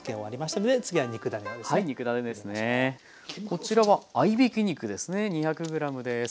こちらは合いびき肉ですね２００ｇです。